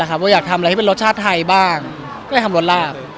๑๑คุณกระชั่งของตัวน้อย